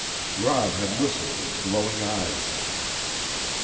Rod had listened with glowing eyes.